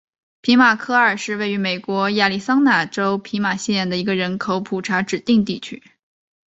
皮马科二是位于美国亚利桑那州皮马县的一个人口普查指定地区。